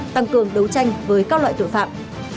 tăng cường đấu tranh với các loại tội phạm